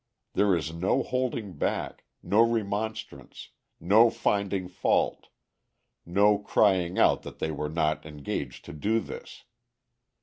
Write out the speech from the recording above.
There is no holding back, no remonstrance, no finding fault, no crying out that they were not engaged to do this.